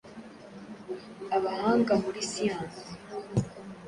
Abahanga muri siyansi